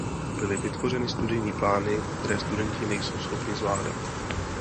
Byly vytvořeny studijní plány, které studenti nejsou schopni zvládat.